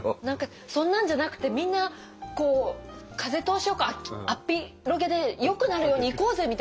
何かそんなんじゃなくてみんなこう風通しよく開けっぴろげで「よくなるようにいこうぜ！」